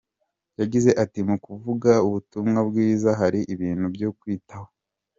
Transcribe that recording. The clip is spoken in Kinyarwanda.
Yagize ati “Mu kuvuga ubutumwa bwiza hari ibintu byo kwitaho.